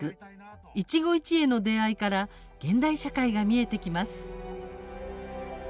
一期一会の出会いから現代社会が見えてきます。